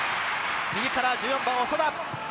右から１４番・長田。